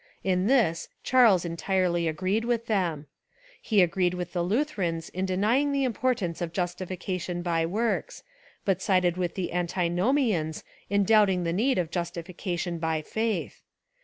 In this Charles entirely agreed with them. He agreed with the Lutherans in denying the im portance of justification by works, but sided with the Antinomians in doubting the need of justification by faith.